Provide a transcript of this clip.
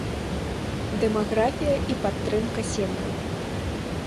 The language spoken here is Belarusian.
Дэмаграфія і падтрымка сем'яў.